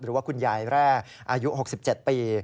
หรือว่าคุณยายแร่อายุ๖๗ปี